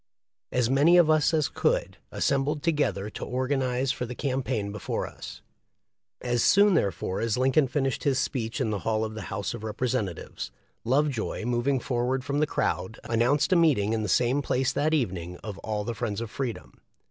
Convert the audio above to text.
As many of us as could, assembled together to organ ize for the campaign before us. As soon therefore as Lincoln finished his speech in the hall of the House of Representatives, Lovejoy, moving forward from the crowd, announced a meeting in the same place that evening of all the friends of Freedom.